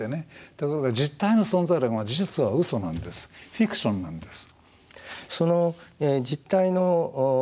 ところが「実体の存在論」は事実は嘘なんですフィクションなんです。